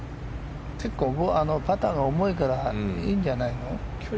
結構パターが重いからいいんじゃないの。